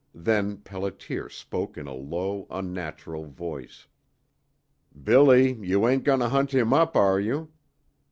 Then Pelliter spoke in a low, unnatural voice. "Billy, you ain't going to hunt him up, are you?